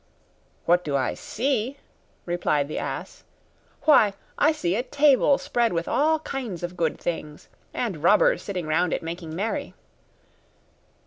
'What do I see?' replied the ass. 'Why, I see a table spread with all kinds of good things, and robbers sitting round it making merry.